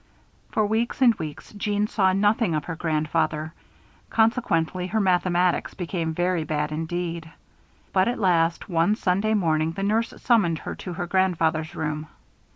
For weeks and weeks, Jeanne saw nothing of her grandfather; consequently, her mathematics became very bad indeed. But at last, one Sunday morning, the nurse summoned her to her grandfather's room.